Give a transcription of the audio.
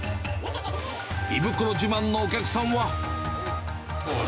胃袋自慢のお客さんは。